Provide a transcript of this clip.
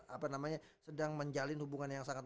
apa namanya sedang menjalin hubungan yang sangat